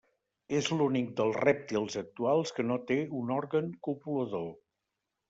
És l'únic dels rèptils actuals que no té un òrgan copulador.